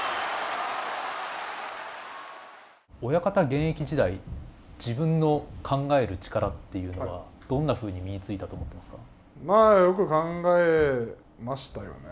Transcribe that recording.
親方現役時代自分の考える力っていうのはどんなふうに身についたと思ってますか？